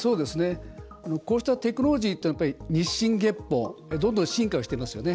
こうしたテクノロジーってやっぱり日進月歩どんどん進化をしていますよね。